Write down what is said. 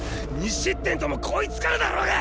２失点ともこいつからだろうが！